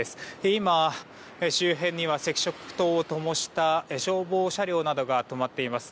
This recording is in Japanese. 今、周辺には赤色灯をともした消防車両などが止まっています。